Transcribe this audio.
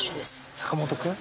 坂本君。